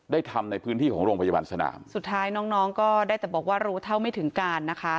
ทำในพื้นที่ของโรงพยาบาลสนามสุดท้ายน้องน้องก็ได้แต่บอกว่ารู้เท่าไม่ถึงการนะคะ